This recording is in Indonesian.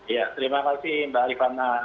ya terima kasih mbak rifana